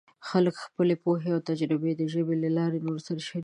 خلک خپلې پوهې او تجربې د ژبې له لارې نورو سره شریکوي.